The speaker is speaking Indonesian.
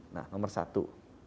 nah nomor satu